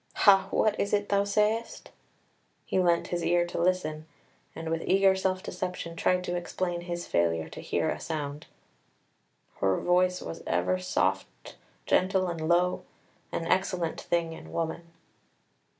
"Ha! What is it thou sayest?" He leant his ear to listen, and with eager self deception tried to explain his failure to hear a sound. "Her voice was ever soft, gentle, and low, an excellent thing in woman."